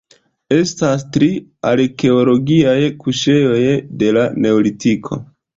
Estas tri arkeologiaj kuŝejoj de la Neolitiko.